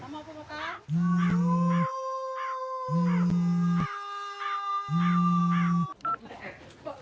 sama aku pak